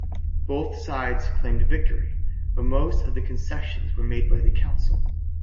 Both sides claimed victory, but most of the concessions were made by the Council.